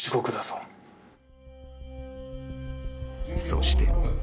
［そして］